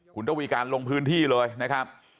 คุณตวีการลงพื้นที่เลยนะครับ